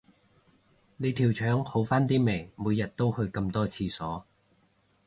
你條腸好返啲未，每日都去咁多廁所